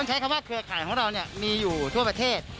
ใช้คำว่าเครือข่ายของเรามีอยู่ทั่วประเทศ